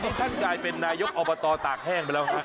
นี่ท่านกลายเป็นนายกอบตตากแห้งไปแล้วฮะ